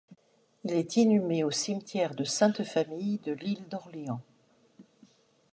Il est inhumé au cimetière de Sainte-Famille de l’Île d’Orléans.